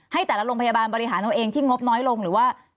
ให้แต่ละโรงพยาบาลบริหารเอาเองที่งบน้อยลงหรือว่า